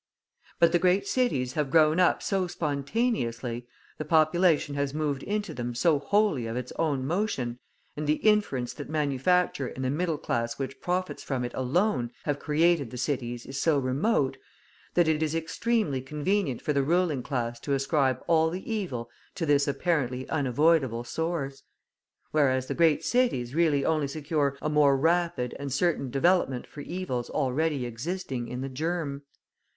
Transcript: But the great cities have grown up so spontaneously, the population has moved into them so wholly of its own motion, and the inference that manufacture and the middle class which profits from it alone have created the cities is so remote, that it is extremely convenient for the ruling class to ascribe all the evil to this apparently unavoidable source; whereas the great cities really only secure a more rapid and certain development for evils already existing in the germ.